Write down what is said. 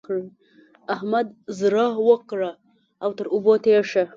احمد زړه وکړه او تر اوبو تېر شه.